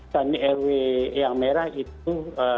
dan rw yang merah itu